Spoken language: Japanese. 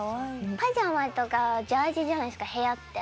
パジャマとかジャージじゃないですか部屋って。